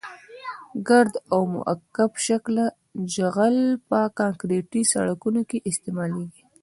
ګرد او مکعب شکله جغل په کانکریټي سرکونو کې استعمالیږي